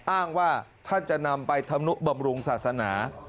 อ้างว่าท่านจะนำไปทำนุบำรุงศาสนา